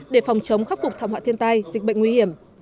để phòng chống khắc phục thảm họa thiên tai dịch bệnh nguy hiểm